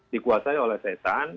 dikuasai oleh satan